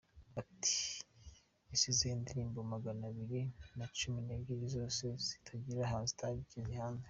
Ati “Yasize indirimbo magana abiri na cumi n’ebyiri zose zitagiye hanze.